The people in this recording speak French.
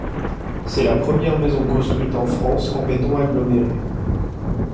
C'est la première maison construite en France en béton aggloméré.